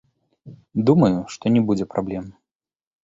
Думаю, што не будзе праблем.